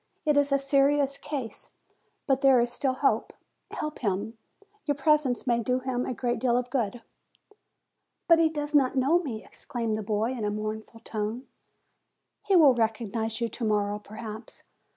It is a serious case, but there is still hope. Help him. Your presence may do him a great deal of good." "But he does not know me!" exclaimed the boy in a mournful tone. "He will recognize you to morrow, perhaps.